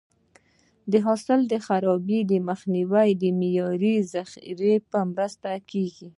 د حاصل د خرابي مخنیوی د معیاري ذخیرې په مرسته کېږي.